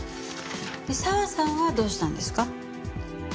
で佐和さんはどうしたんですか？